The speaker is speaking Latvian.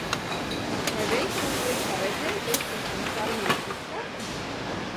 Vai veikala priekšā redzēji Pestīšanas armijas izkārtni?